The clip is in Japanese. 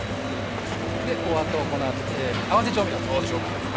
このあと、合わせ調味料を作っていきます。